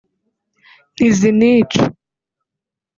ntizinica